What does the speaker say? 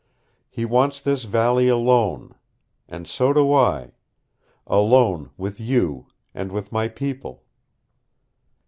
He wants this valley alone. And so do I. Alone with you, and with my people."